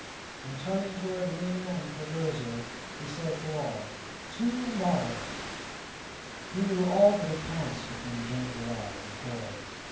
and, turning toward Lina and Fragoso, he said to all, "To morrow!" He knew all that had passed between Joam Garral and Torres.